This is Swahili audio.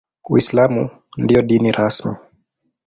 Uislamu ndio dini rasmi.